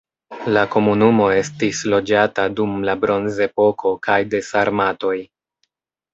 La komunumo estis loĝata dum la bronzepoko kaj de sarmatoj.